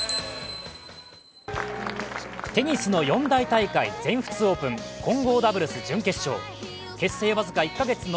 テニスの四大大会全仏オープン、混合ダブルス準決勝。